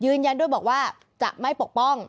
ยืนยันด้วยบอกว่าจะไม่ปกป้อง